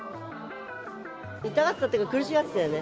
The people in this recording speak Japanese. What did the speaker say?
痛がってたというか、苦しがってたよね。